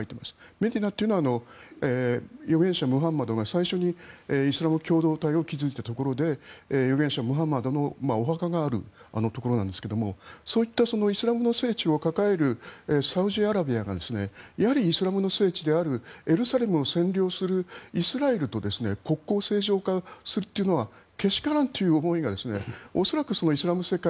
メディナというのは預言者ムハンマドが最初にイスラム共同体を築いたところで預言者ムハンマドのお墓があるところですがそういったイスラムの聖地を抱えるサウジアラビアがやはりイスラムの聖地であるエルサレムを占領するイスラエルと国交正常化するというのはけしからんという思いが恐らくイスラム世界